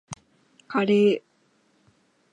カレー